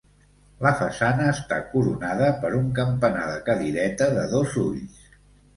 La façana està coronada per un campanar de cadireta de dos ulls.